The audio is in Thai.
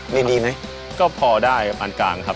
เรียนดีไหมครับเรียนดีไหมครับเรียนดีไหมครับ